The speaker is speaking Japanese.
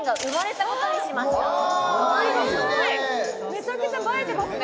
めちゃくちゃ映えてますね